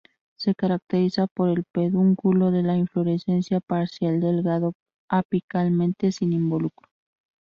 Se caracteriza por el pedúnculo de la inflorescencia parcial delgado apicalmente, sin involucro.